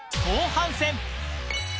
後半戦！